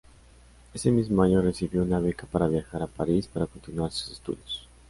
Ese mismo año recibió una beca para viajar a París para continuar sus estudios.